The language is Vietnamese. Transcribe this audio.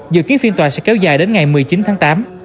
dự kiến phiên tòa sẽ kéo dài đến ngày một mươi chín tháng tám